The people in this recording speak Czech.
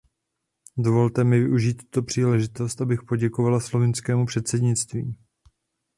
Dovolte mi využít tuto příležitost, abych poděkovala slovinskému předsednictví.